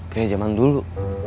kayak jaman dulu